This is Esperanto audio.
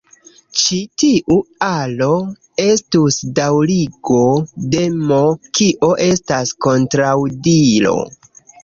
Ĉi tiu aro estus daŭrigo de "M", kio estas kontraŭdiro.